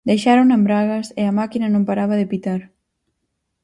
"Deixárona en bragas e a máquina non paraba de pitar".